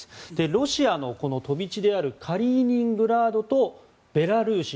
ロシアの飛び地であるカリーニングラードとベラルーシ